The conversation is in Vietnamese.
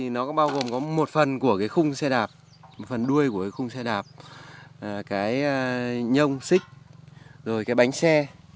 nó bao gồm có một phần của khung xe đạp một phần đuôi của khung xe đạp cái nhông xích rồi cái bánh xe